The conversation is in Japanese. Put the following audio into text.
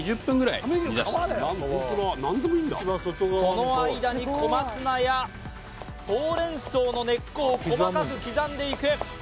その間に小松菜やほうれんそうの根っこを細かく刻んでいく。